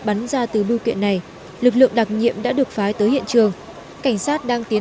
bắn ra từ biêu kiện này lực lượng đặc nhiệm đã được phái tới hiện trường cảnh sát đang tiến